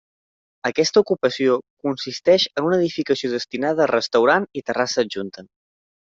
Aquesta ocupació consisteix en una edificació destinada a restaurant i terrassa adjunta.